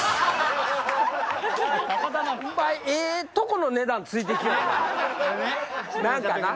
ええとこの値段ついてきよるな。何かな。